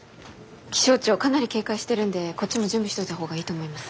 気象庁かなり警戒してるんでこっちも準備しといた方がいいと思います。